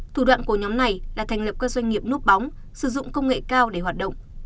thủ đoạn của nhóm này là thành lập các doanh nghiệp núp bóng sử dụng công nghệ cao để hoạt động